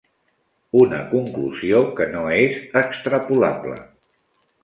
Una conclusió que no és extrapolable.